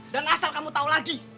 dan asal kamu tau lagi